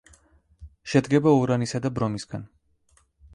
შედგება ურანისა და ბრომისგან.